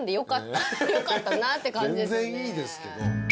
全然いいですけど。